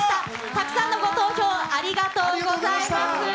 たくさんのご投票、ありがとうございます。